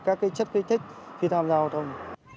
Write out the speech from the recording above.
các cái chất khí thích khi tham gia giao thông